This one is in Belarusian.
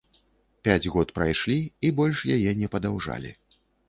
Пяць год прайшлі, і больш яе не падаўжалі.